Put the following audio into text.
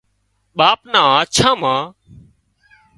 ٻاپ نان آنڇان مان